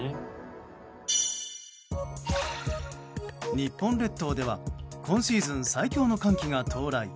日本列島では今シーズン最強の寒気が到来。